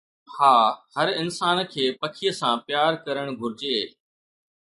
ها، هر انسان کي پکيءَ سان پيار ڪرڻ گهرجي